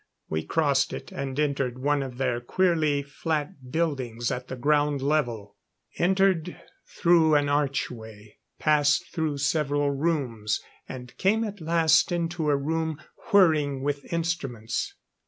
We crossed it, and entered one of their queerly flat buildings at the ground level; entered through an archway, passed through several rooms and came at last into a room whirring with instruments.